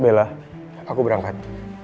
bella aku berangkat